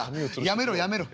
やめろやめろ。